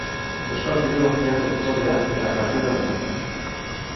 Euskal Filologian doktorea eta katedraduna.